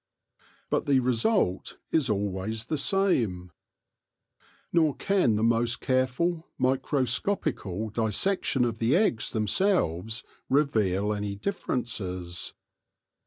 But the result is always the same. THE GENESIS OF THE QUEEN 71 Nor can the most careful microscopical dissection of the eggs themselves reveal any differences.